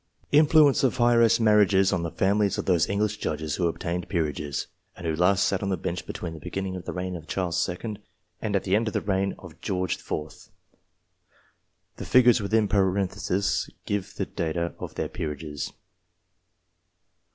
Influence of Heiress marriages on the Families of those English Judges who obtained Peerages, and who last sat on the Bench between the beginning of the reign of Charles II. and the end of the reign of George IV. (The figures within parentheses give the date of their peerages.)